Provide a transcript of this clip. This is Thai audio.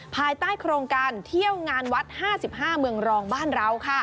ภายใต้โครงการเที่ยวงานวัด๕๕เมืองรองบ้านเรา